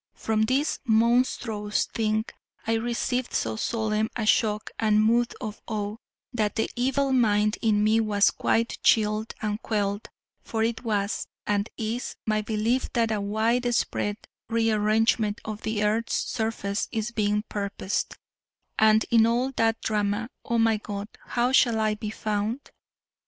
From this monstrous thing I received so solemn a shock and mood of awe, that the evil mind in me was quite chilled and quelled: for it was, and is, my belief that a wide spread re arrangement of the earth's surface is being purposed, and in all that drama, O my God, how shall I be found?